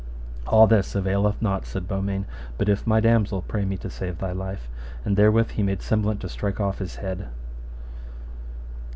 All this availeth not, said Beaumains, but if my damosel pray me to save thy life. And therewith he made semblant to strike off his head.